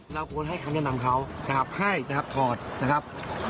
เราควรให้เค้าแนะนำเค้ารับให้ทอดนะครับ